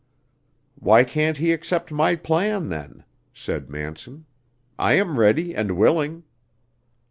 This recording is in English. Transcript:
"Why can't he accept my plan, then?" said Manson. "I am ready and willing."